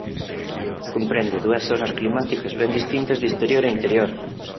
Comprende dúas zonas climáticas ben distintas de exterior a interior.